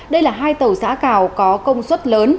đây là hai tàu giã cào có công suất lớn